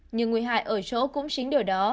nhưng nguy hại ở chỗ cũng chính điều đó